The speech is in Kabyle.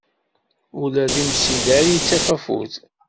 Ula d imsider, yettak afud.